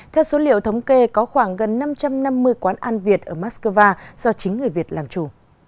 theo số liệu thống kê có khoảng gần năm trăm năm mươi quán ăn việt ở mắc cơ va do chính người việt làm chủ